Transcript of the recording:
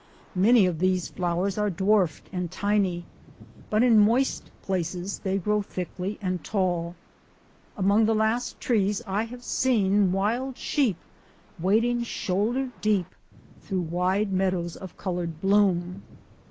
Many of these flowers are dwarfed and tiny but in moist places they grow thickly and tall. Among the last trees TREES AT TIMBERLINE 75 I have seen wild sheep wading shoulder deep through wide meadows of coloured bloom.